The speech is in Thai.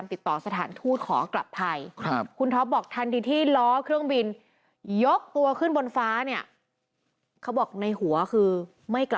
มันกลับมาอีก